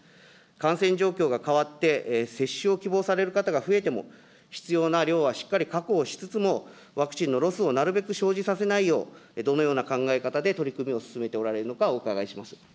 感染状況が変わって、接種を希望される方が増えても、必要な量はしっかり確保しつつも、ワクチンのロスをなるべく生じさせないよう、どのような考え方で取り組みを進めておられるのか、お伺いします。